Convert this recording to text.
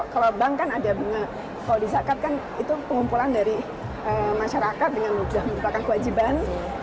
kalau bank kan ada bunga kalau di zakat kan itu pengumpulan dari masyarakat dengan mudah merupakan kewajiban